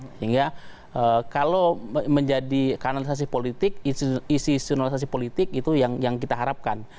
sehingga kalau menjadi kanalisasi politik isi isu analisasi politik itu yang kita harapkan